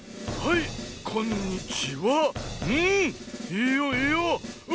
いいよいいよ。